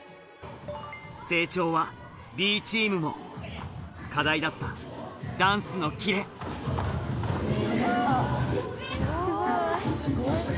成長はＢチームも課題だったダンスのキレすごい！